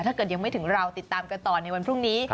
ถ้าเกิดยังไม่ถึงเราติดตามกันต่อในวันพรุ่งนี้